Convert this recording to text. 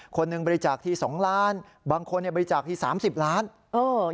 คนนึงบริจาคที่๒ล้านบาทบางคนบริจาคที่๓๐ล้านบาท